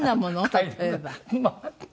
例えば。